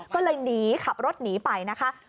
ก็เลยหนีขับรถหนีไปนะคะ